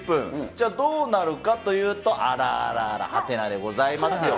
じゃあ、どうなるかというと、あらあらあら、はてなでございますよ。